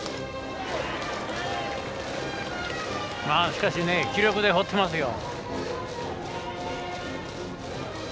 しかし気力で放ってますよ。